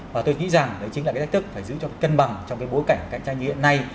và tôi nghĩ rằng đấy chính là cái thách thức phải giữ cho cân bằng trong cái bối cảnh cạnh tranh như hiện nay